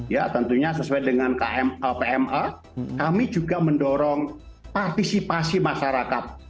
ya tentunya sesuai dengan pma kami juga mendorong partisipasi masyarakat